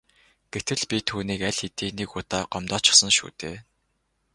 Гэтэл би түүнийг аль хэдийн нэг удаа гомдоочихсон шүү дээ.